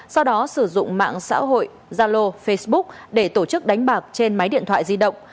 sau đó sử dụng mạng xã hội zalo facebook để tổ chức đánh bạc trên máy điện thoại di động